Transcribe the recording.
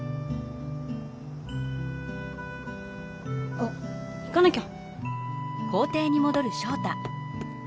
あっ行かなきゃ。